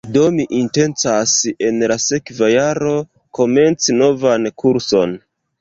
Do mi intencas en la sekva jaro komenci novan kurson